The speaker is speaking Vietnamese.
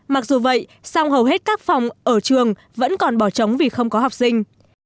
mặc dù vậy song hầu hết các phòng ở trường vẫn còn bỏ trống vì không có học sinh